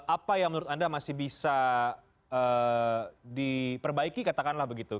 apa yang menurut anda masih bisa diperbaiki katakanlah begitu